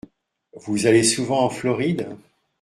Vous allez souvent en Floride ?